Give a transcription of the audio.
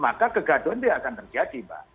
maka kegaduan dia akan terjadi mbak